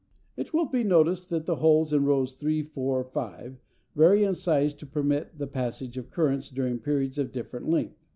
It will be noticed that the holes in rows 3, 4, 5 vary in size to permit the passage of currents during periods of different length.